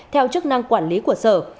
theo chức năng quản lý của sở